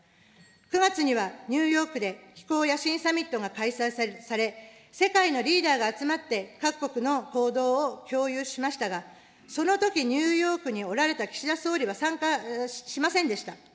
９月にはニューヨークで気候野心サミットが開催され、世界のリーダーが集まって各国の行動を共有しましたが、そのときニューヨークにおられた岸田総理は参加しませんでした。